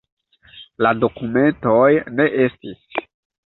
La dokumentoj ne estis.